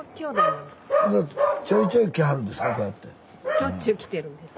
しょっちゅう来てるんです。